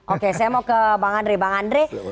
oke saya mau ke bang andre